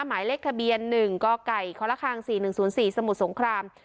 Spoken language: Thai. หมายเลขคบินหนึ่งกไก่คล้อนละคางสี่หนึ่งศูนย์สี่สมุดสงคราม